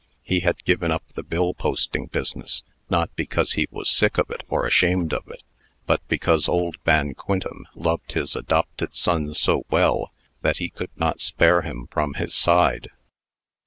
He had given up the bill posting business, not because he was sick of it, or ashamed of it, but because old Van Quintem loved his adopted son so well, that he could not spare him from his side.